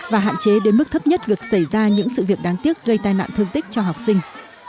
và hạn chế đến mức thấp nhất việc xảy ra những sự việc đáng tiếc gây tai nạn thương tích cho học sinh